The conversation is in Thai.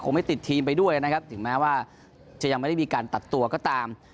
ไม่ติดทีมไปด้วยนะครับถึงแม้ว่าจะยังไม่ได้มีการตัดตัวก็ตาม